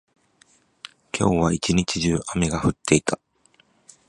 今日は一日中、雨が降っていた。